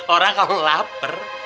orang kalau lapar